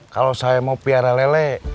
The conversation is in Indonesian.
kalau saya mau piara lele